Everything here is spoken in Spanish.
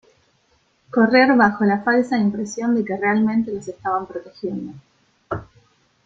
Correr bajo la falsa impresión de que realmente los estaban protegiendo.